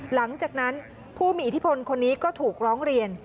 หลังจากนั้นผู้มีอิทธิพลคนนี้ก็ถูกร้องเรียน